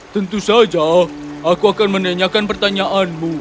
tentu saja aku akan menanyakan pertanyaanmu